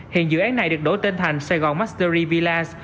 hiện dự án này được đổ tên thành saigon mastery villas